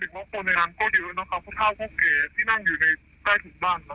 เด็กม้องโฟนในนั้นก็เยอะนะคะพวกชาวพวกเก๋ที่นั่งอยู่ในใกล้ถุงบ้าน